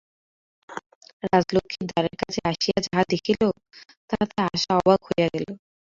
রাজলক্ষ্মীর দ্বারের কাছে আসিয়া যাহা দেখিল, তাহাতে আশা অবাক হইয়া গেল।